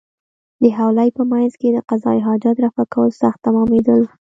د حویلۍ په مېنځ کې د قضای حاجت رفع کول سخت تمامېدل.